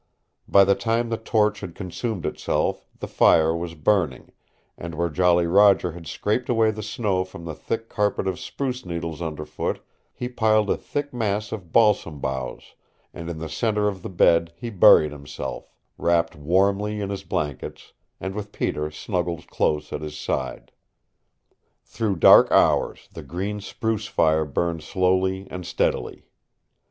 By the time the torch had consumed itself the fire was burning, and where Jolly Roger had scraped away the snow from the thick carpet of spruce needles underfoot he piled a thick mass of balsam boughs, and in the center of the bed he buried himself, wrapped warmly in his blankets, and with Peter snuggled close at his side. Through dark hours the green spruce fire burned slowly and steadily.